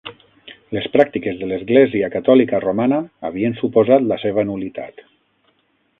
Les pràctiques de l'Església catòlica romana havien suposat la seva nul·litat.